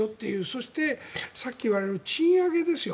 そして、さっき言われた賃上げですよ。